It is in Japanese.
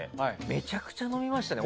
めちゃくちゃ飲みましたね